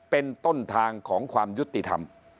เป็นต้นทางของความยุติธรรม